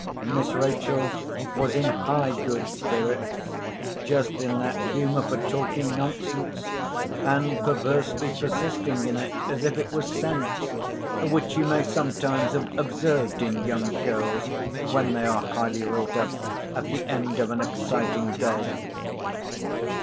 Miss Rachel was in high good spirits, just in that humour for talking nonsense, and perversely persisting in it as if it was sense, which you may sometimes have observed in young girls, when they are highly wrought up, at the end of an exciting day.